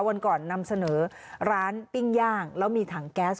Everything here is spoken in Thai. วันก่อนนำเสนอร้านปิ้งย่างแล้วมีถังแก๊ส